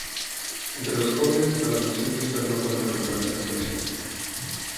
Entre los jóvenes la donación de esperma cuenta con gran aceptación.